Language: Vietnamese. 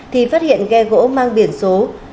thì phát hiện ghe gỗ mang biển số